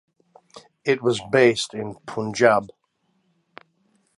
It was based in Punjab.